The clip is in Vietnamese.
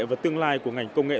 và tương lai của ngành công nghệ